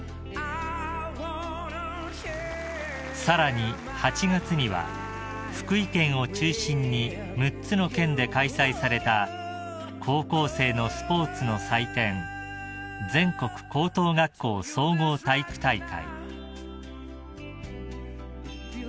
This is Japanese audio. ［さらに８月には福井県を中心に６つの県で開催された高校生のスポーツの祭典全国高等学校総合体育大会］